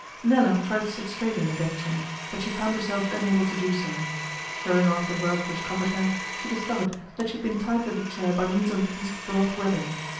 Nella tried to sit straight in the deck chair, but she found herself unable to do so. Throwing off the rug which covered her, she discovered that she had been tied to the chair by means of a piece of broad webbing.